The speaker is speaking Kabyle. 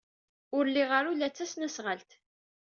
Ur liɣ ara ula d tasnasɣalt.